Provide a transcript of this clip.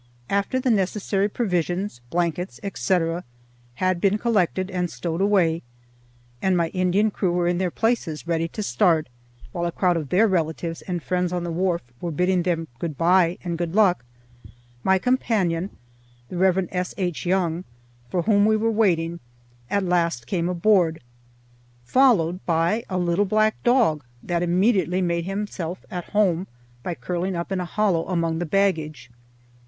After the necessary provisions, blankets, etc., had been collected and stowed away, and my Indian crew were in their places ready to start, while a crowd of their relatives and friends on the wharf were bidding them good by and good luck, my companion, the Rev. S.H. Young, for whom we were waiting, at last came aboard, followed by a little black dog, that immediately made himself at home by curling up in a hollow among the baggage.